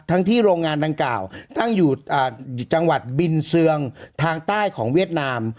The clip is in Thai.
ที่โรงงานดังกล่าวตั้งอยู่จังหวัดบินเซืองทางใต้ของเวียดนาม